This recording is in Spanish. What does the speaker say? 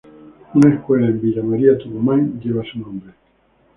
Una escuela en Villa María, Tucumán, lleva su nombre.